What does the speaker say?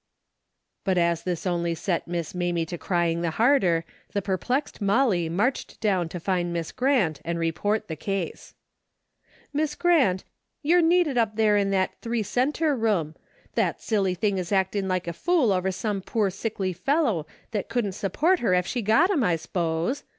But as this only set Miss Mamie to crying the harder, the perplexed Molly marched down to find Miss Grant and report the case. " Miss Grant, you're needed up there in that three center room. That silly thing is actin' like a fool over some poor sickly fellow, that couldn't support her ef she got him, I s'pose.